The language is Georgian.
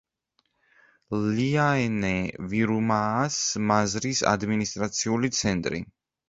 ლიაენე-ვირუმაას მაზრის ადმინისტრაციული ცენტრი.